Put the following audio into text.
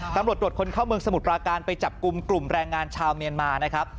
ตำรวจตรวจคนเข้าเมืองสมุทรปราการไปจับกลุ่มกลุ่มแรงงานชาวเมียนมานะครับ